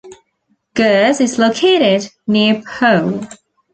Gurs is located near Pau.